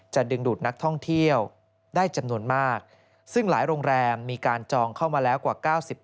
ดึงดูดนักท่องเที่ยวได้จำนวนมากซึ่งหลายโรงแรมมีการจองเข้ามาแล้วกว่า๙๐